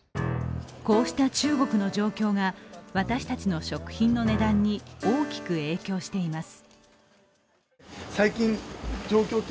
こうした中国の状況が私たちの食品の値段に大きく影響しています。